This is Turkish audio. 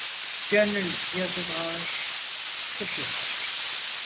Gönlün yazı var, kışı var.